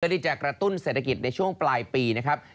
ที่จะกระตุ้นเศรษฐกิจในช่วงปลายปีนะครับ